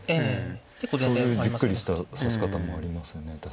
そういうじっくりした指し方もありますよね